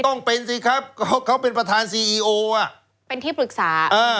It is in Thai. ต้องเป็นสิครับเขาเขาเป็นประธานซีอีโออ่ะเป็นที่ปรึกษาเออ